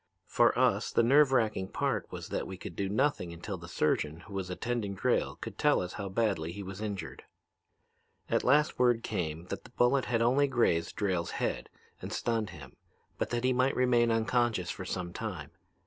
For us the nerve wracking part was that we could do nothing until the surgeon who was attending Drayle could tell us how badly he was injured. "At last word came that the bullet had only grazed Drayle's head and stunned him, but that he might remain unconscious for some time.